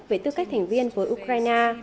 về tư cách thành viên với ukraine